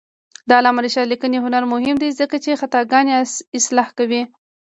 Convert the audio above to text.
د علامه رشاد لیکنی هنر مهم دی ځکه چې خطاګانې اصلاح کوي.